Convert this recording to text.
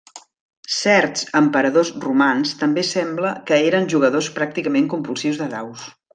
Certs emperadors romans també sembla que eren jugadors pràcticament compulsius de daus.